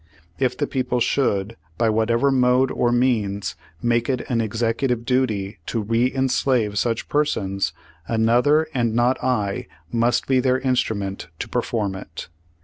If the people should, by whatever mode or means, make it an Executive duty to re enslave such persons, an other and not I must be their instrument to perform it."